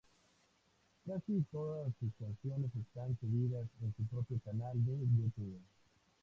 Casi todas sus canciones están subidas en su propio canal de YouTube.